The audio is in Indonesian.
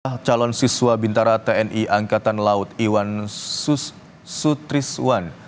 ah calon siswa bintara tni angkatan laut iwan sutriswan